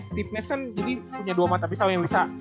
steve nash kan ini punya dua mata pisau yang bisa